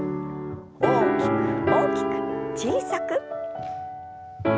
大きく大きく小さく。